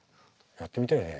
やってみたいね。